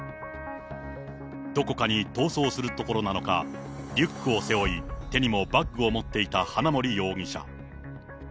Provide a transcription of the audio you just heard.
どこかに逃走するところなのか、リュックを背負い、手にもバッグを持っていた花森容疑者。